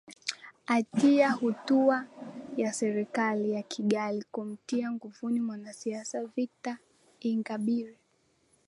atia hatua ya serikali ya kigali kumtia nguvuni mwanasiasa victor ingabire